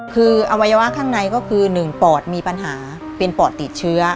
คืออวัยวะข้างในก็คือ๑ปอดมีปัญหาเป็นปอดติดเชื้อ